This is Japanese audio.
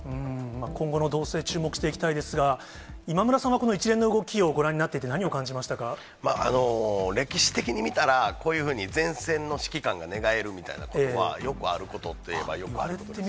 今後の動静、注目していきたいですが、今村さんは、この一連の動きをご覧になっていて、歴史的に見たら、こういうふうに前線の指揮官が寝返るみたいなことは、よくあることと言えばよくあることですね。